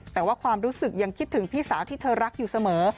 แต่ว่าความรู้สึกยังคิดถึงพี่สาวที่เธอรักอยู่เสมอ